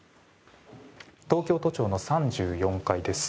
東京都庁の３４階です。